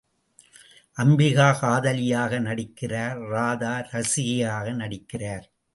அம்பிகா காதலியாக நடிக்கிறார் ராதா ரசிகையாக நடிக்கிறார்.